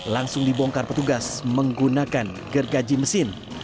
langsung dibongkar petugas menggunakan gergaji mesin